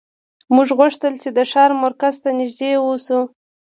موږ غوښتل چې د ښار مرکز ته نږدې اوسو